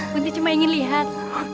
kunti cuma ingin lihat